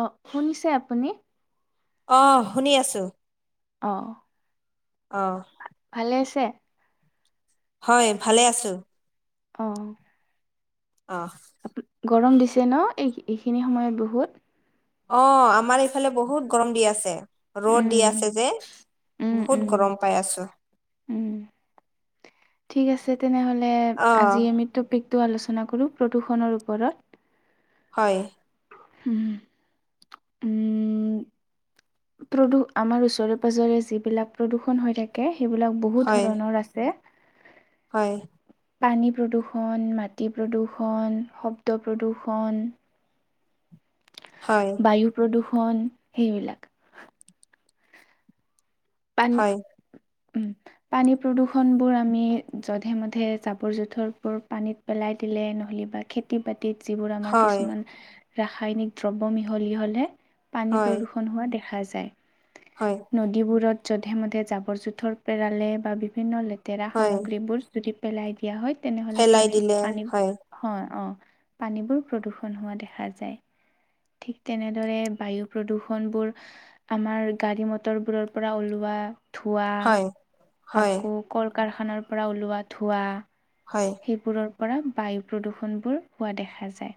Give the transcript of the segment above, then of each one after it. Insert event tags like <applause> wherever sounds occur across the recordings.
অহ শুনিছে আপুনি? অহ শুনি আছো অহ অহ ভালে আছে? হয় ভালে আছো। অহ অহ গৰম দিছে ন এই এইখিনি সময়ত বহুত অ', আমাৰ এইফালে বহুত গৰম দি আছে। ৰ'দ দি উম আছে যে উম বহুত উম গৰম পাই আছোঁ। উম ঠিক আছে, তেনেহ'লে আজি আমি টপিকটো আলোচনা কৰোঁ প্ৰদূষণৰ ওপৰত। হয়। উম, উম। প্ৰদূ আমাৰ ওচৰে পাজৰে যিবিলাক প্ৰদূষণ হৈ থাকে। সেইবিলাক বহুত হয় ধৰণৰ আছে। হয়। পানী প্ৰদূষণ, মাটি প্ৰদূষণ, শব্দ প্ৰদূষণ হয় বায়ু প্ৰদূষণ সেইবিলাক। পান হয় উম। পানী প্ৰদূষণবোৰ আমি যধে মধে জাবৰ জোঁথৰবোৰ পানীত পেলাই দিলে নহ'লে বা খেতি বাতিত যিবোৰ আমাৰ হয় কিছুমান ৰাসায়নিক দ্ৰব মিহলি হ'লে পানী হয় প্ৰদূষণ হোৱা দেখা যায়। হয় নদীবোৰত যধে মধে জাবৰ জোঁথৰ পেৰালে বা বিভিন্ন লেতেৰা হয় সামগ্ৰীবোৰ যদি পেলাই দিয়া হয়। তেনেহ'লে পেলাই পানী দিলে পানী হয় হয় অ' পানীবোৰ প্ৰদূষণ হোৱা দেখা যায়। ঠিক, তেনেদৰে বায়ু প্ৰদূষণ বোৰ আমাৰ গাড়ী মটৰবোৰৰ পৰা ওলোৱা ধোৱা, হয় হয় আকৌ কল কাৰখানাৰ পৰা ওলোৱা ধোৱা, হয় সেইবোৰৰ পৰা বায়ু প্ৰদূষণ বোৰ হোৱা দেখা যায়।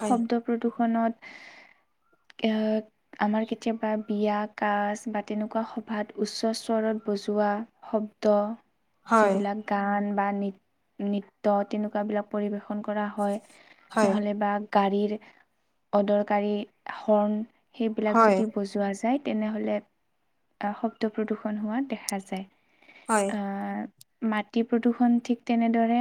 হয় শব্দ প্ৰদূষণ খনত এয়া আমাৰ কেতিয়াবা বিয়া, কাজ বা তেনেকুৱা সভাত উচ্চস্বৰত বজোৱা শব্দ হয় যিবিলাক গান বা নৃ নৃত্য তেনেকুৱাবিলাক পৰিবেশন কৰা হয়। হয় নহ'লে বা গাড়ীৰ অদৰকাৰী হৰ্ণ সেইবিলাক হয় যদি বজোৱা যায়। তেনেহ'লে শব্দ প্ৰদূষণ হোৱা দেখা যায়। হয়। আহ মাটি প্ৰদূষণ ঠিক তেনেদৰে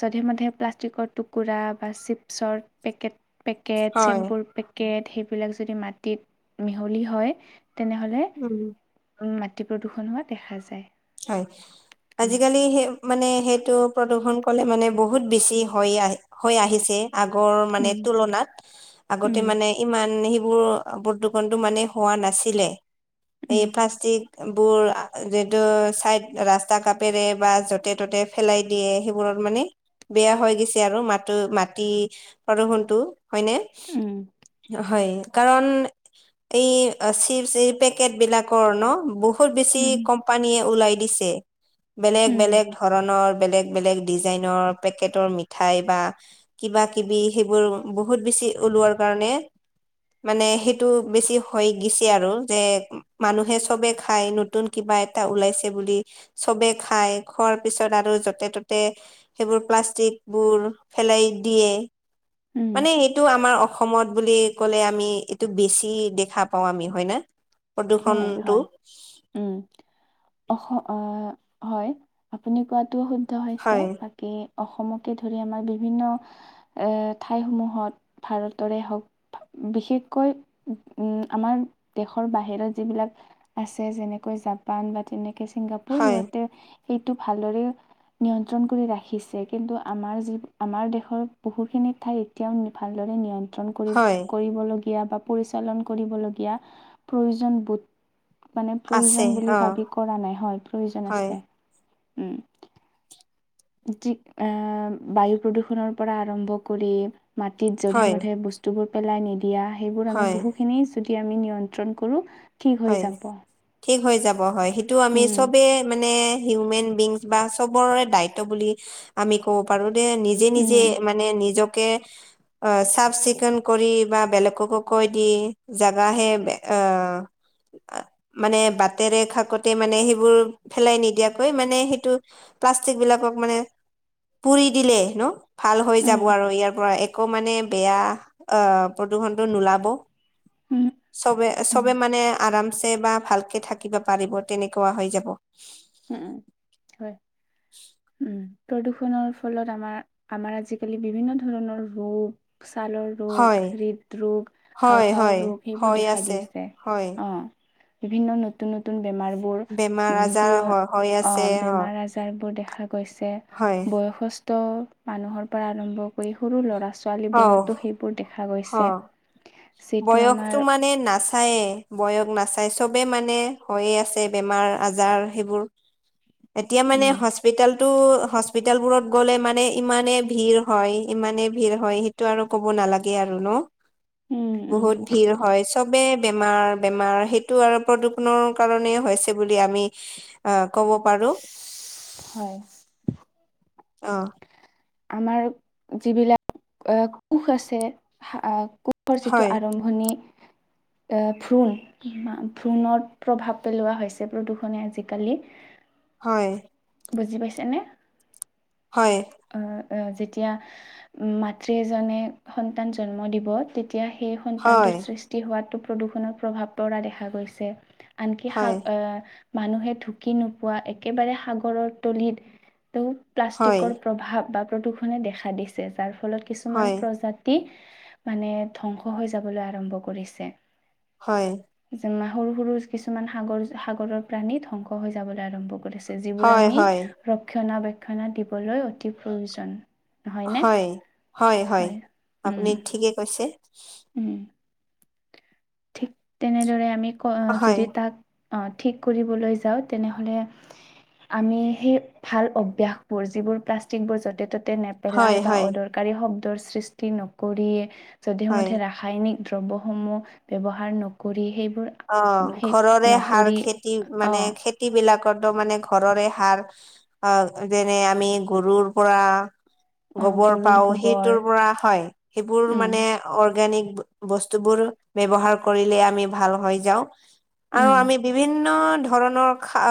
যধে মধে প্লাষ্টিকৰ টুকুৰা বা চিপছৰ পেকেট পেকট হয় চেম্পুৰ পেকেট সেইবিলাক যদি মাটিত মিহলি হয়। তেনে হ'লে উম, মাটি প্ৰদূষণ হোৱা দেখা যায়। হয়। উম আজিকালি সেই মানে সেইটো প্ৰদূৰষণ ক'লে মানে বহুত বেছি হৈ আহ হৈ আহিছে। আগৰ মানে উম তুলনাত আগতে উম মানে ইমান সেই বোৰ বৰ্তুকণটো মানে হোৱা নাছিলে, উম এই প্লাষ্টিক বোৰ আহ যে টো চাইদ ৰাস্তা কাপেৰে বা য'তে ত'তে ফেলাই দিয়ে সেইবোৰত মানে বেয়া হৈ গৈছে আৰু মাটো মাটি প্ৰদূষনতটো। হয়নে, উম হয়। কাৰণ এই চিপচ যি এই পেকেট বিলাকৰ ন বহুত বেছি উম কম ওলাই দিছে, বেলেগ উম বেলেগ ধৰণৰ বেলেগ বেলেগ ডিজাইনৰ পেকেটৰ মিঠাই বা কিবা কিবি সেইবোৰ বহুত বেছি সেই ওলোৱাৰ কাৰণে মানে সেইটো বেছি হৈ গৈছে আৰু যে মানুহে চবে খাই নতুন কিবা এটা এটা ওলাইছে বুলি চবে খাই খোৱাৰ পিছত আৰু যতে ত'তে সেইবোৰ প্লাষ্টিক বোৰ খেলাই দিয়ে, উম মানে এইটো আমাৰ অস অসমত বুলি ক'লে আমি এইটো বেছি দেখা পাওঁ আমি হয়নে? হয় প্ৰদূষণটো? হয় উম অস, অ', হয়, আপুনি কোৱাটোও শুদ্ধ হৈছে, হয় বাকী অসমকে ধৰি আমাৰ বিভিন্ন এ ঠাইসমূহত ভাৰতৰে হওক বিশেষকৈ আমাৰ দেশৰ বাহিৰত যিবিলাক আছে যেনেকৈ জাপান বা তেনেকে ছিংগাপুৰ হয় সিহঁতে এইটো ভালদৰে নিয়ন্ত্ৰণ কৰি ৰাখিছে কিন্তু আমাৰ যি আমাৰ দেশৰ বহুখিনি ঠাই এতিয়াও ভালদৰে নিয় হয় লীয়া বা পৰিচালন কৰিবলগীয়া প্ৰয়োজন বোধ মানে আছে প্ৰয়োজন অ বুলি ভাবি কৰা নাই হয় প্ৰয়োজন হয় আছে। উম যি আহ বায়ু প্ৰদূষণৰ পৰা আৰম্ভ কৰি মাটিত যধে হয় মধে বস্তুবোৰ পেলাই নিদিয়া সেইবোৰ আমি হয় বহুখিনি যদি আমি নিয়ন্ত্ৰণ কৰো ঠিক হৈ হয় যাব ঠিক হৈ যাব হয়। সেইটো আমি উম চবেই মানে হিউমেন বিংছ বা চবৰে দায়িত্ব বুলি আমি ক'ব পাৰো। নিজে নিজে উম মানে নিজকে আহ চাফ চিকুণ কৰি বা বেলেগকো কৈ দি জাগাহে আহ <unintelligible> মানে বাটৰে শাকতে মানে সেইবোৰ পেলাই নিদিয়াকৈ মানে সেইটো প্লাষ্টিক বিলাকক মানে পুৰি দিলে ন ভাল হৈ যাব উম আৰু ইয়াৰ পৰা একো মানে বেয়া আহ প্ৰদূৰষণটো নোলাব। উম চবে উম চবে মানে আৰামছে বা ভালকে থাকিব পাৰিব তেনেকুৱা হৈ যাব। উম, উম হয় উম প্ৰদূৰষণৰ ফলত আমাৰ আমাৰ আজিকালি বিভিন্ন ধৰণৰ ৰোগ ছালৰ হয়, ৰোগ হৃদৰোগ হয়, হালফাওৰ হয়, ৰোগ সেইবোৰ হৈ দেখা আছে, দিছে হয়, অ' বিভিন্ন নতুন নতুন বেমাৰ বোৰ বেমাৰ যি আজাৰ বোৰ হয়, হৈ অ আছে, অ', বেমাৰ আজাৰ বোৰ দেখা গৈছে হয়, বয়সস্ ত মানুহৰ পৰা আৰম্ভ কৰি সৰু ল'ৰা অ', ছোৱালীবোৰতো সেইবোৰ দেখা অ গৈছে। যিটো 'বয়সতো আমাৰ মানে নাচায়ে। বয়স নাচাই চবে মানে হৈয়ে আছে বেমাৰ আজাৰ সেইবোৰ এতিয়া মানে উম, হস্পিতেল টো হস্পিতেল বোৰত গ'লে মানে ইমানে ভিৰ হয় ইমানে ভিৰ হয় সেইটো আৰু ক'ব নালাগ গে আৰু ন উম, উম, বহুত ভিৰ হয় চবে বেমাৰ বেমাৰ সেইটো আৰু প্ৰদূষণৰ কাৰণে হৈছে বুলি আমি অ কব পাৰো হয়। অ আমাৰ যিবিলাক অহ কোষ আছে কোষ যিটো হয়, আৰম্ভণি <unintelligible> ভ্ৰুণ, ভ্ৰুণত প্ৰভাৱ পেলোৱা হৈছে প্ৰদূষণে আজিকালি হয়। বুজি পাইছে নে? হয়। যেতিয়া মাতৃ এজনে সন্তান জন্ম দিব এতিয়া সেই হয়, সন্তানটোৰ সৃষ্টি হোৱাতো প্ৰদূষণৰ প্ৰভাৱ পৰা দেখা গৈছে। আনকি সা হয়, আহ মানুহে ঢুকি নোপোৱা একেবাৰে সাগৰৰ তলিত ত হয়, প্লাষ্টিকৰ প্ৰভাৱ বা প্ৰদূষণে দেখা দিছে যাৰ ফলত কিছুমান হয়, প্ৰজাতি মানে ধ্বংস হৈ যাবলৈ আৰম্ভ কৰিছে। হয়। যেনে সৰু সৰু কিছুমান সাগৰ, সাগৰৰ প্ৰাণী ধ্বংস হৈ যাবলৈ আৰম্ভ কৰিছে। যিবোৰ হয়, আমি হয়, ৰক্ষণাবেক্ষণা দিবলৈ অতি প্ৰয়োজন। হয়নে হয়-হয়-হয় হয় উম আপুনি ঠিকে কৈছে। উম, ঠিক তেনেদৰে আমি ক হয়, যদি তাক ঠিক কৰিবলৈ যাওঁ তেনেহ'লে আমি সেই ভাল অভসবোৰ যিবোৰ প্লাষ্টিকবোৰ য'তে ত' হয়, নেপেলাই বা হয়, অদৰকাৰী শব্দৰ সৃষ্টি নকৰিয়ে হয়, যধেমঠে ৰাসায়নিক দ্ৰব্যসমূহ ব্যৱহাৰৰ নকৰি সেই অ' ঘৰৰে সাৰ নকৰি খেতি মানে অ খেতি বিলাক মানে ঘৰৰে সাৰ আহ যেনে আমি গৰুৰ পৰা অ গোবৰ গৰুৰ পাও গোবৰ সেইটোৰ পৰা হয় সেইবোৰ উম মানে অৰ্গেনিক। বস্তুবোৰ ব্যৱহাৰ কৰিলে আমি ভাল হৈ যাওঁ আৰু উম আমি বিভিন্ন ধৰণৰ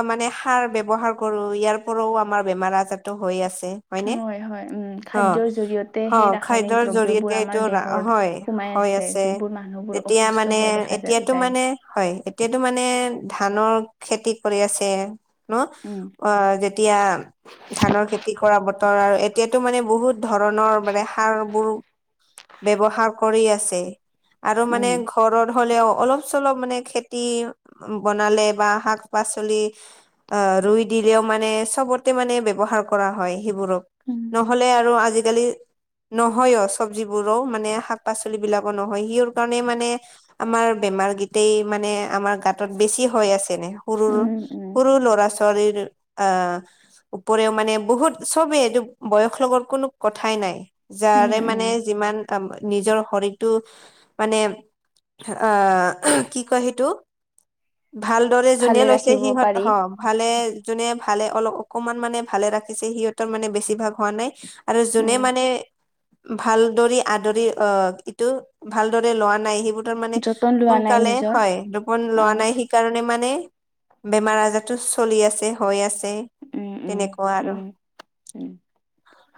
মানে সাৰ ব্যৱহাৰ কৰো ইয়াৰ পৰাও আমাৰ বেমাৰ আজাৰো হৈ আছে। হয় নে হয় উম খাদ্যৰ জৰিয়তে অ-অ সেই ৰাসায়নিক খাদ্যৰ দ্ৰব্যবোৰ জৰিয়তে আমাৰ এইটো দেহৰ হয়। সোমাই হৈ আছে যিবোৰ মানুহবোৰ তেতিয়া অসুস্থ মানে হোৱা দেখা যা এতিয়া টো যায় মানে হয় এতিয়াতো মানে ধানৰ খেতি কৰি আছে। ন উম অ যেতিয়া ধানৰ খেতি কৰা বতৰ আৰু এতিয়াতো মানে বহুত ধৰণৰ মানে সাৰবোৰ ব্যৱহাৰ কৰি আছে আৰু মানে উম ঘৰত হ'লেও অলপ পচলপ মানে খেতি বনালে বা শাক পাচলি ৰুই দিলে মানে চবতে মানে ব্যৱহাৰ কৰা হয়। সেইবোৰক উম নহলে আৰু আজিকালি নহয়। চব্জিবোৰো মানে শাক পাচলি বিলাকো নহয় সিৰ কাৰণে মানে আমাৰ বেমাৰ গীতেই মানে আমাৰ গাঁতত বেছি হৈ আছে ন সৰুৰ উম উম সৰু ল'ৰা ছোৱালীৰ অ উপওৰেও মানে বহুত চবেই এইটো বয়স লগৰ কোনো কথাই নাই উম যাৰে উম মানে যিমান নিজৰ শৰীৰটো মানে অহ, কি কয় সেইটো। ভালদৰে যোনে ভালে লৈছে ৰাখিব সিহঁত পাৰি হ ভালে যোনে ভালে অলপ অকমান মানে ভালে ৰাখিছে। সিহঁতৰ মানে বেছিভাগ হোৱা নাই আৰু যোনে উম মানে ভালদৰি আদৰি আহ ইটো ভালদৰে লোৱা নাই। সেইবোৰ মানে যতন লোৱা নাই সোনকালে নিজৰ হয়। ৰোপন অ লোৱা নাই সেইকাৰণে মানে বেমাৰ আজাৰতটো চলি আছে হৈ আছে। উম উম তেনেকুৱা আৰু উম উম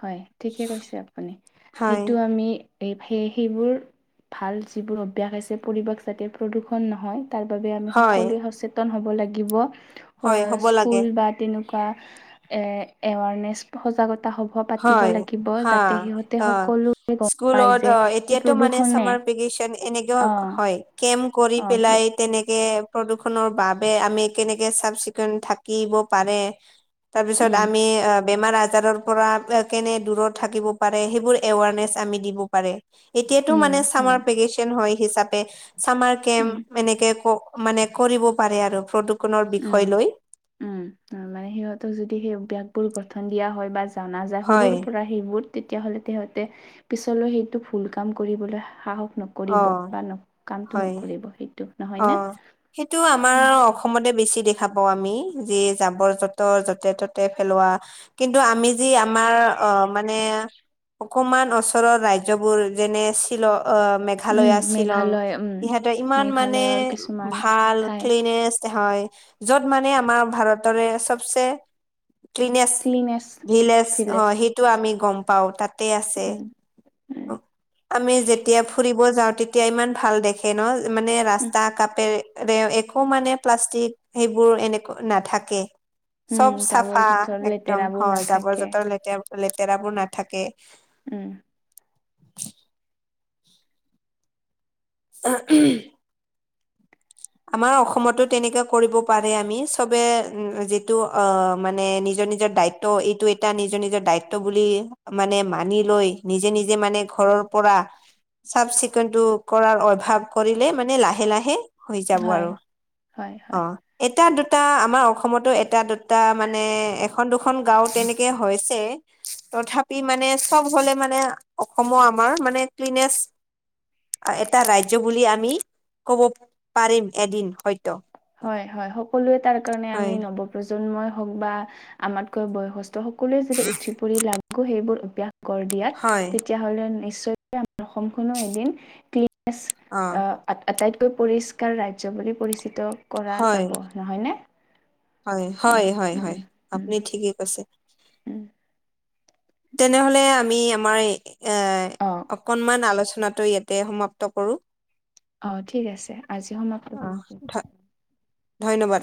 হয়। ঠিকে কৈছে আপুনি হয় সেইটো আমি এই সেই সেইবোৰ ভাল যিবোৰ অভ্যাস আছে। পৰিৱেশ যাতে প্ৰদূষণ নহয়। তাৰ বাবে আমি হয় সকলোৱে সচেতন হ'ব লাগিব হয় হ'ব লাগে স্কুল বা তেনেকুৱ আ এ আৱাৰ নেছ সজাগতা হব। হয়, হা অ সকলো পায় স্কুলত যে অ এই এতিয়াতো মানে প্ৰদূষণে চমাৰ প এনেকেও অ হয় কেম কৰি অ পেলাই প্ৰ- তেনে প্ৰদূষনৰৰ বাবে আমি কেনেকে চাফ চিকুণ থাকিব পাৰে। তাৰ পিছত উম আমি বেমাৰ আজাৰৰ পৰা কেনে দূৰত থাকিব পাৰে। সেইবোৰ এৱাৰনেচ আমি দিব পাৰে। এতিয়াতো উম মানে চামাৰ হয় ভেকেচন হয়। হিচাপে চামাৰ কেম্প উম এনেকে ক মানে কৰিব পাৰে আৰু বিষয় লৈ উম-উম মানে সিহঁতক যদি সেই অভ্য়াসবোৰ গঠন দিয়া হয় বা জনাজা হয় সৰুৰ পৰা সেইবোৰ তেতিয়াহ'লে তেহঁতে পিছলৈ সেইটো ভুল কাম কৰিবলৈ সাহস নকৰিব অ বা ন কামটো হয় নকৰিব সেইটো অ, নহয়নে? সেইটো আমাৰ উম। অসমত। বেছি দেখা পা আমি যে জাবাৰ যুঠৰ জেতে ততে পেলোৱা কিন্তু আমি যি আমাৰ, অ', মানে অকমান ওচৰৰ ৰাজ্যবোৰ যেনে শ্বিল অ', উম মেঘালয় শ্বিলং মেঘালয় উম ইহঁতেৰ ইমান মানে মেঘালয়ৰ কিছুমান ভাল ঠাই ক্লিনেছ হয়, য'ত মানে আমাৰ ভাৰতৰে চবচে ক্লিনেছ ক্লিনেছ ভিলজ ভিলেজ হয়, সেইটো আমি গম পাওঁ, তাত তাতে আছে, উম উম। আমি যেতিয়া ফুৰি ব যাওঁ, তেতিয়া ইমান ভাল দেখে ন, মানে উম ৰাস্তা কাপেৰে এ, একো মানে প্লাষ্টিক সেইবোৰ এনেকু নাথাকে। উম চব জাবৰ চাফা জোথৰ একদম লেতেৰাবোৰ হয়, নাথাকে জাবৰ-জোতৰ লেতেৰা, লেতেৰাবোৰ নাথাকে। উম। <inaudible> আমাৰ অসমতো তেনেকা কৰিব পাৰে, আমি চবে যিটো অ', মানে নিজ নিজৰ-নিজৰ দায়িত্ব এইটো এটা নিজৰ-নিজৰ দায়িত্ব বুলি মানে মানি লৈ নিজে-নিজে মানে ঘৰৰ পৰা চাফ- চিকুণতটো কৰাৰ অভাৱ কৰিলে মানে লাহে-লাহে হৈ যাব হয় আৰু হয় হয়। অ', এটা দু এটা আমাৰ অসমতো এটা দুটা মানে এখন দুখন গাওঁ তেনেকে হৈছে। তথাপি মানে চব হ'লে মানে অসমৰ আমাৰ মানে ক্লিনেছ এটা ৰাজ্য বুলি আমি কব পাৰিম এদিন হয়তো হয়-হয় সকলোৱে তাৰ কাৰণে হয় আমি নৱপ্ৰজন প্ৰজন্মই হওক বা আমাতকৈ বয়সস্থ সকলোৱে যেতিয়া উঠি পৰি লাগো সেইবোৰ অভ্যাস গঢ় দিয়াত হয় তেতিয়াহ'লে নিশ্চয়ক আম অসমখনো এ অ', আটাইতকৈ পৰিষ্কাৰ ৰাজ্য বুলি পৰিচিত কৰা যাব, নহয়নে? হয় হয়-হয়-হয়-হয় উম উম আপুনি ঠিকেই কৈছে। উম। তেনেহলে আমি আমাৰ এ অ অকনমান আলোচনা আনাটো ইয়াতে সমাপ্ত কৰোঁ। অ', ঠিক আছে। আজি সমাপ্ত অ কৰিছোঁ ধ ধন্যবাদ।